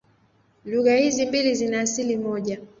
Lugha hizi mbili zina asili moja.